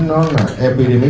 nó là epidemic